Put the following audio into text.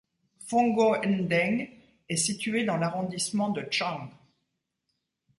Fongo-Ndeng est située dans l’arrondissement de Dschang.